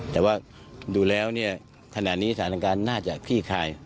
แต่ว่าดูแล้วเนี่ยขณะนี้สถานการณ์น่าจะคลี่คลาย